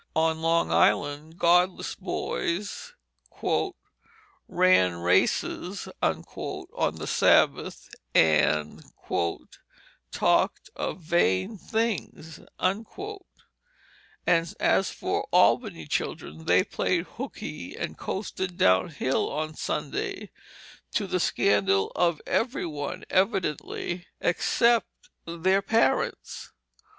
On Long Island godless boys "ran raesses" on the Sabbath and "talked of vane things," and as for Albany children, they played hookey and coasted down hill on Sunday to the scandal of every one evidently, except their parents.